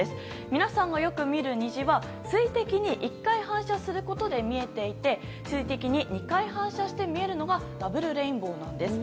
皆さんがよく見る虹は水滴に１回反射することで見えていて水滴に２回反射して見えるのがダブルレインボーなんです。